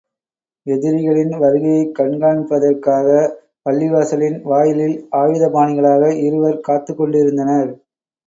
எதிரிகளின் வருகையைக் கண்காணிப்பதற்காகப் பள்ளிவாசலின் வாயிலில் ஆயுத பாணிகளாக இருவர் காத்துக் கொண்டிருந்தனர்.